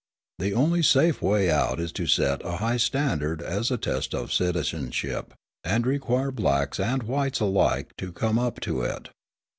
The only safe way out is to set a high standard as a test of citizenship, and require blacks and whites alike to come up to it.